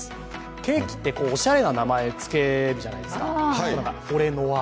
ケーキっておしゃれな名前つけるじゃないですか。